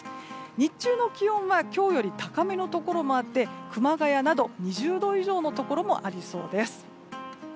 日中の気温は今日より高めのところもあって熊谷など２０度以上のところもありそうです。